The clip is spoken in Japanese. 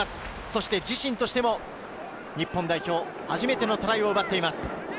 そして自身としても日本代表、初めてのトライを奪っています。